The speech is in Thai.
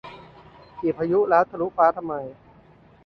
ขี่พายุแล้วทะลุฟ้าทำไม